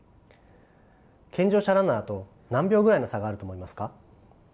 健常者ランナーと何秒ぐらいの差があると思いますか？